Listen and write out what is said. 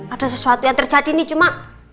ada sesuatu yang terjadi ini cuma